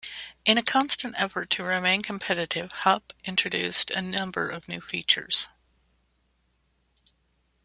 In a constant effort to remain competitive, Hupp introduced a number of new features.